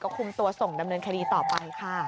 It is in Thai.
คุมตัวส่งดำเนินคดีต่อไปค่ะ